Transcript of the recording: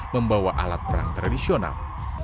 membawa alat perang tradisional